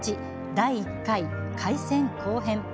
第１回開戦後編」。